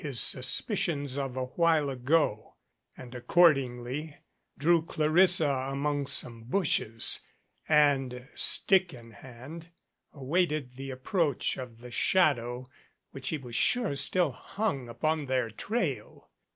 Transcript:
i his suspicions of a while ago, and accordingly drew Clarissa among some bushes, and, stick in hand, awaited the approach of the shadow which he was sure still hung upon their trail.